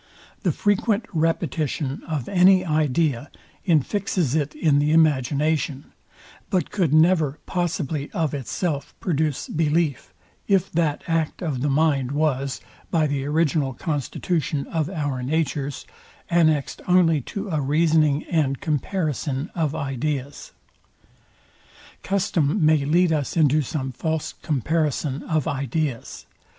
The frequent repetition of any idea infixes it in the imagination; but could never possibly of itself produce belief, if that act of the mind was, by the original constitution of our natures, annexed only to a reasoning and comparison of ideas. Custom may lead us into some false comparison of ideas.